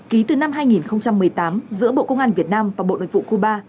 ký từ năm hai nghìn một mươi tám giữa bộ công an việt nam và bộ nội vụ cuba